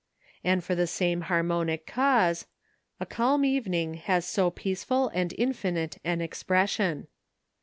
And for the same harmonic cause, a calm evening has so peaceful and infinite an expression.